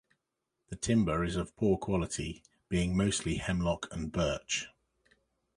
The Timber is of poor quality, being mostly Hemlock and Birch.